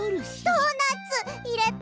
ドーナツいれた！？